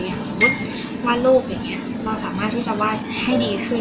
อย่างสมมติวงลูกแบบนี้เราสามารถที่จะว่ายให้ดีขึ้น